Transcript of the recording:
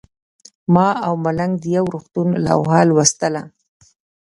ما او ملنګ د یو روغتون لوحه لوستله.